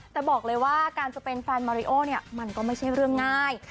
แต่บอกเลยว่าการจะเป็นแฟนมาริโอเนี่ยมันก็ไม่ใช่เรื่องง่าย